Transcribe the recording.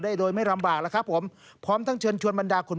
ได้โดยไม่ลำบากแล้วครับผมพร้อมทั้งเชิญชวนบรรดาคุณ